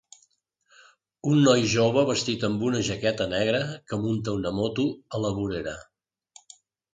Un noi jove vestit amb una jaqueta negra que munta una moto a la vorera